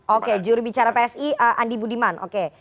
oke juru bicara psi andi budiman